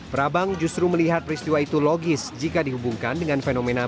prabang justru melihat peristiwa itu logis jika dihubungkan dengan fenomena